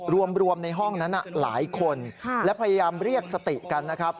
รวมในห้องนั้นหลายคนและพยายามเรียกสติกันนะครับ